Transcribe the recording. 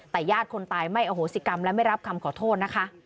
แต่ญาติคนตายไม่อโหสิกรรมและไม่รับคำขอโทษนะคะ